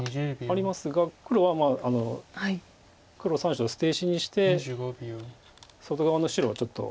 ありますが黒は黒３子を捨て石にして外側の白をちょっと。